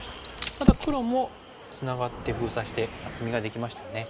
ただ黒もつながって封鎖して厚みができましたよね。